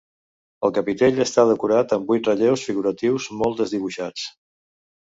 El capitell està decorat amb vuit relleus figuratius molt desdibuixats.